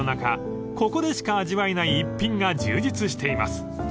ここでしか味わえない逸品が充実しています］